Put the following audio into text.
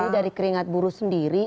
dari keringat buru sendiri